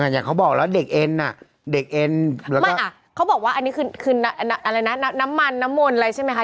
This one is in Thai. อย่างเขาบอกแล้วเด็กเอ็นอ่ะเด็กเอ็นไม่อ่ะเขาบอกว่าอันนี้คืออะไรนะน้ำมันน้ำมนต์อะไรใช่ไหมคะ